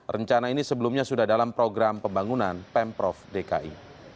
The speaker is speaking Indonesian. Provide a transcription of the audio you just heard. rencana ini sebelumnya sudah dalam program pembangunan pemprov dki